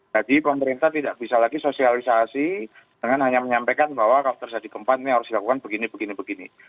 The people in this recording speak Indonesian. jadi pemerintah tidak bisa lagi sosialisasi dengan hanya menyampaikan bahwa kalau terjadi gempa ini harus dilakukan begini begini begini